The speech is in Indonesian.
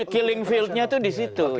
killing fieldnya itu di situ